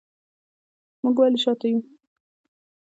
موږ ولې شاته یو؟